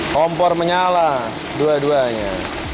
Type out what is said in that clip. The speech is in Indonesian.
kompor menyala dua duanya